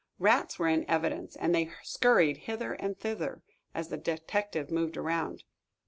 Rats were in evidence, and they scurried hither and thither as the detective moved around.